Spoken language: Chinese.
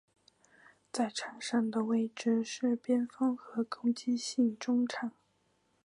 在场上的位置是边锋和攻击型中场。